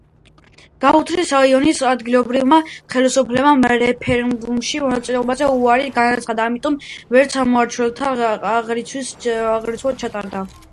გუდაუთის რაიონის ადგილობრივმა ხელისუფლებამ რეფერენდუმში მონაწილეობაზე უარი განაცხადა, ამიტომ ვერც ამომრჩეველთა აღრიცხვა ჩატარდა.